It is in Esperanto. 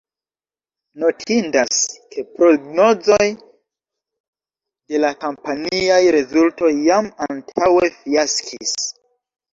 Notindas, ke prognozoj de la kompaniaj rezultoj jam antaŭe fiaskis.